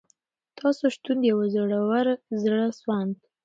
تاسو شتون د یوه زړور، زړه سواند